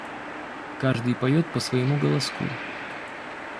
Каждый поет по своему голоску!